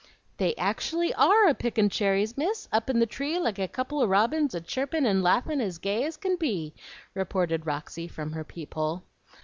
"They actually ARE a picking cherries, Miss, up in the tree like a couple of robins a chirpin' and laughin' as gay as can be," reported Roxy, from her peep hole.